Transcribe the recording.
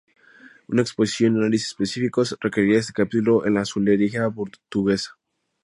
Una exposición y análisis específicos requeriría este capítulo en la azulejería portuguesa.